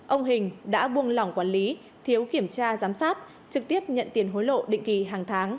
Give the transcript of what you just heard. ông hình đã buông lỏng quản lý thiếu kiểm tra giám sát trực tiếp nhận tiền hối lộ định kỳ hàng tháng